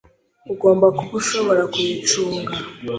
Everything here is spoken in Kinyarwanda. Ugomba kuba ushobora kuyicunga.